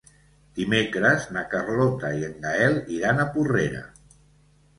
Dimecres na Carlota i en Gaël iran a Porrera.